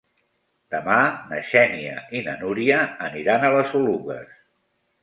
Demà na Xènia i na Núria aniran a les Oluges.